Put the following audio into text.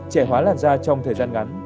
trẻ hóa làn da trong thời gian ngắn